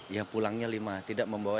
ya pulangnya lima tidak membawa